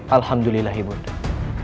alhamdulillah ibu undang